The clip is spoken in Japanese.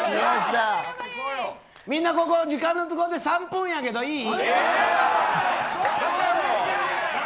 みんなここ時間の都合で３分やけど、いい。